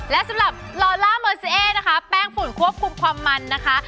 และสำหรับลอล่าเมอร์ซีเอนะคะแป้งฝุ่นควบคุมความมันนะคะ